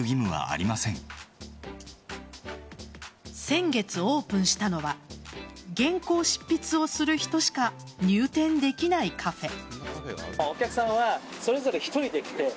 先月オープンしたのは原稿執筆をする人しか入店できないカフェ。